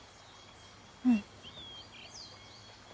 うん。